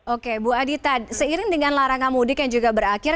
oke bu adita seiring dengan larangan mudik yang juga berakhir